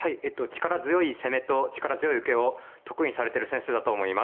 力強い攻めと力強い受けを得意にされてる先生だと思います。